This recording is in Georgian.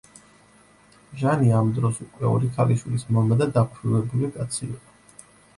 ჟანი ამ დროს უკვე ორი ქალიშვილის მამა და დაქვრივებული კაცი იყო.